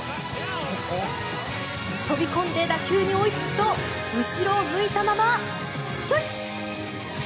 飛び込んで打球に追いつくと後ろを向いたままヒョイ！